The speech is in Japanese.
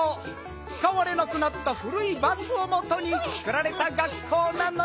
つかわれなくなったふるいバスをもとにつくられた学校なのよん！